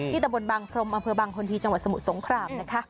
ตะบนบางพรมอำเภอบางคนที่จังหวัดสมุทรสงครามนะคะ